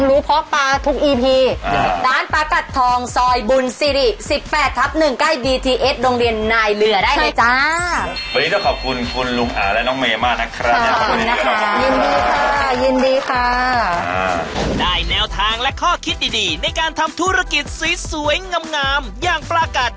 ได้แนวทางและข้อคิดดีในการทำธุรกิจสีสวยงามย่างปลากัด